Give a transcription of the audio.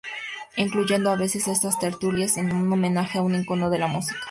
Incluyendo a veces a estas tertulias un homenaje a un icono de la música.